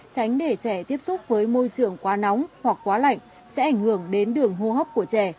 tránh để trẻ tiếp xúc với môi trường quá nóng hoặc quá lạnh sẽ ảnh hưởng đến đường hô hấp của trẻ